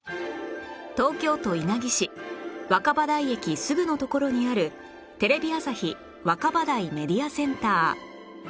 東京都稲城市若葉台駅すぐの所にあるテレビ朝日若葉台メディアセンター